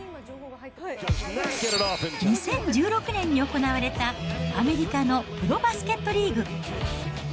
２０１６年に行われた、アメリカのプロバスケットリーグ。